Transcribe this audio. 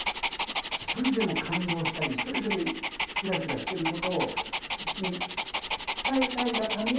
一人でも感動したり一人でもキラキラしてることを伝えたいがためにこれやってる。